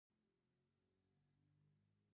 همدومره مې درته وویل، که غواړې چې ولاړ شې ولاړ شه.